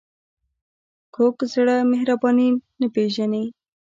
کوږ زړه مهرباني نه پېژني